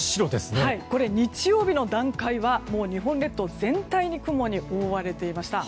日曜日の段階は日本列島全体に雲に覆われていました。